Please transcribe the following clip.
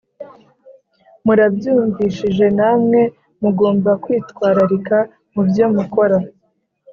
Murabyumvishije namwe mugomba kwitwararika mubyo mukora